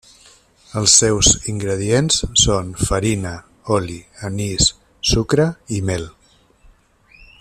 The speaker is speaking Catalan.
Els seus ingredients són farina, oli, anís, sucre i mel.